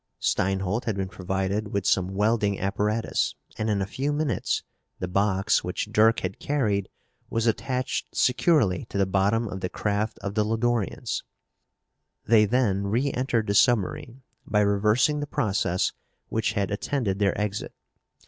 Steinholt had been provided with some welding apparatus and, in a few minutes, the box which Dirk had carried was attached securely to the bottom of the craft of the Lodorians. They then reentered the submarine by reversing the process which had attended their exit.